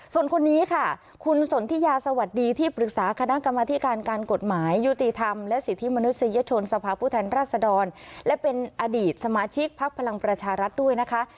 ส่วนคนนี้ค่ะคุณสนทิยาสวัสดีที่ปรึกษาคณะกรรมธิการการกฎหมายยุติธรรมและสิทธิมนุษยชนสภาพผู้แทนรัศดรและเป็นอดีตสมาชิกพักพลังประชารัฐด้วยนะคะ